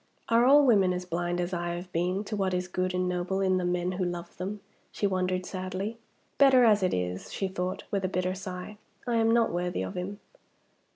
"Are all women as blind as I have been to what is good and noble in the men who love them?" she wondered, sadly. "Better as it is," she thought, with a bitter sigh; "I am not worthy of him."